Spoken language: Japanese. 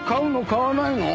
買わないの？